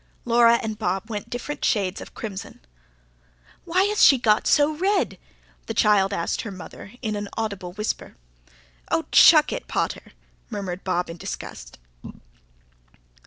Laura and Bob went different shades of crimson. "Why has she got so red?" the child asked her mother, in an audible whisper. "Oh, CHUCK it, pater!" murmured Bob in disgust.